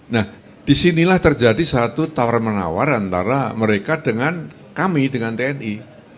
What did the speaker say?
nah disinilah terjadi satu tawar menawar antara mereka dengan kami dengan tni